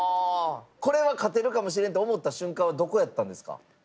これは勝てるかもしれんと思った瞬間はどこやったんですか？